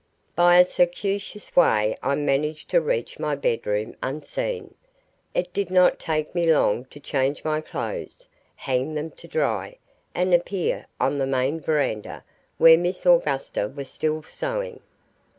By a circuitous way I managed to reach my bedroom unseen. It did not take me long to change my clothes, hang them to dry, and appear on the main veranda where Miss Augusta was still sewing.